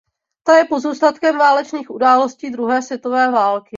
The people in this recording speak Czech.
Ta je pozůstatkem válečných událostí druhé světové války.